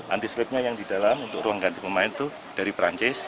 anti sweepnya yang di dalam untuk ruang ganti pemain itu dari perancis